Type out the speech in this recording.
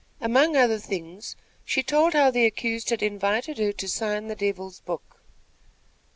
Among other things she told how the accused had invited her to sign the Devil's book.